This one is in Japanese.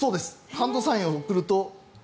ハンドサインを送ると。